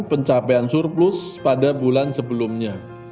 pencapaian surplus pada bulan sebelumnya